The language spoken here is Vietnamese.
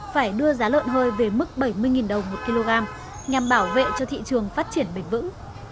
phải đưa giá lợn hơi về mức bảy mươi đồng một kg nhằm bảo vệ cho thị trường phát triển bền vững